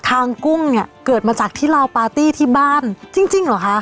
คางกุ้งเกิดมาจากที่ราวปาร์ตี้ที่บ้านจริงเหรอคะ